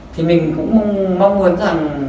thì mình cũng mong muốn rằng